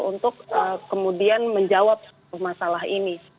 untuk kemudian menjawab masalah ini